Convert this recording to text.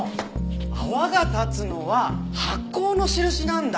泡が立つのは発酵の印なんだ！